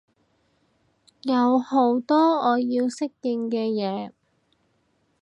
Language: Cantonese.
有好多我要適應嘅嘢